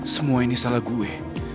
semua ini salah gue